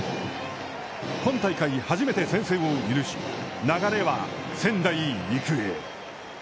今大会、初めて先制を許し、流れは仙台育英。